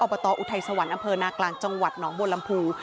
บตอุทัยสวรรค์อำเภอนากลางจังหวัดหนองบัวลำพู